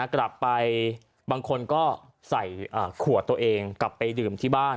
กลับไปบางคนก็ใส่ขวดตัวเองกลับไปดื่มที่บ้าน